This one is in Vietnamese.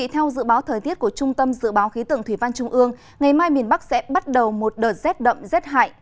theo dự báo thời tiết của trung tâm dự báo khí tượng thủy văn trung ương ngày mai miền bắc sẽ bắt đầu một đợt rét đậm rét hại